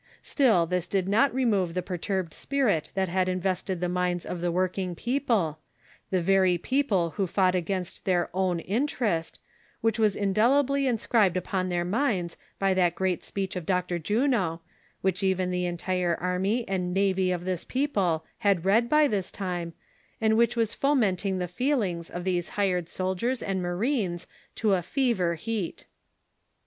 Still, tliis did not remove the perturbed spirit that had invested the minds of the working people^ 364 THE SOCIAL WAR OF 1900; OR, the very people wlio fought against their own interest, "Which was indelibly inscribed upon their minds by that great speech of Dr. Juno, wliicli even the entire army and navy of this people had read by this time, and which was fomenting the feelings of these hired soldiers and marines to a fever heat.